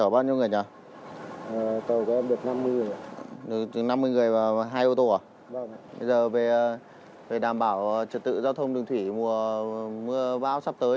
bây giờ về đảm bảo trật tự giao thông đường thủy mùa báo sắp tới